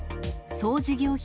総事業費